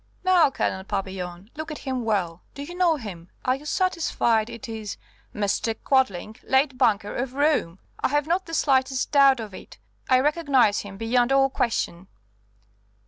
"Now, Colonel Papillon, look at him well. Do you know him? Are you satisfied it is " "Mr. Quadling, late banker, of Rome. I have not the slightest doubt of it. I recognize him beyond all question."